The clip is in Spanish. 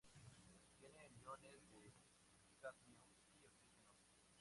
Tiene iones de cadmio y oxígeno.